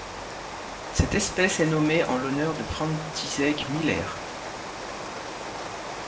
Cette espèce est nommée en l'honneur de František Miller.